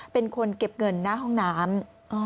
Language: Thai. เป็นคนเก็บเงินหน้าห้องน้ำ